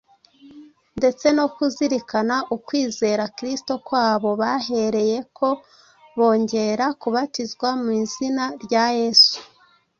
ndetse no kuzirikana ukwizera Kristo kwabo, bahereyeko bongera kubatizwa mu izina rya Yesu.